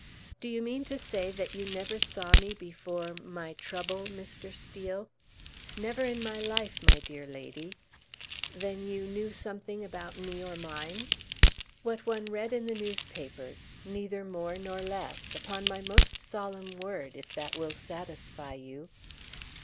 "Do you mean to say that you never saw me before my trouble, Mr. Steel?" "Never in my life, my dear lady." "Then you knew something about me or mine!" "What one read in the newspapers neither more nor less upon my most solemn word if that will satisfy you."